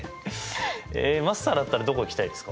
マスターだったらどこ行きたいですか？